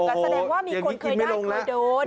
แสดงว่ามีคนเคยได้เคยโดนถูกต้องโอ้โฮอย่างนี้กินไม่ลงแล้ว